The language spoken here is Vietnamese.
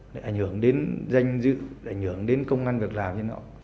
để ảnh hưởng đến danh dự ảnh hưởng đến công an việc làm